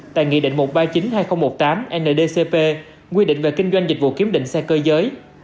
tại nghị định một trăm ba mươi chín hai nghìn một mươi tám ndcp quy định về kinh doanh dịch vụ kiếm định xe cơ giới